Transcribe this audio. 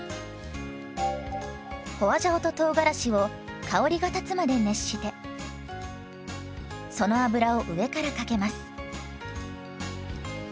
花椒ととうがらしを香りが立つまで熱してその油を上からかけます。